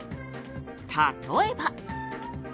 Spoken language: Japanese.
例えば。